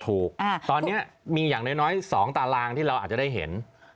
ถูกตอนนี้มีอย่างน้อย๒ตารางที่เราอาจจะได้เห็น